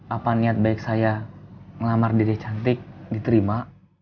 apa niat baik saya melamar diri cantik diterima